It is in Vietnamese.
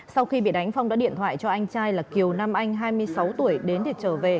sau khi bị đánh phong đã điện thoại cho anh trai là kiều nam anh hai mươi sáu tuổi đến để trở về